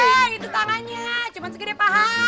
eh itu tangannya cuman sekiranya paha